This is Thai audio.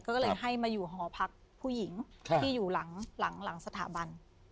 ก็เลยให้มาอยู่หอพักผู้หญิงที่อยู่หลังสถาบัน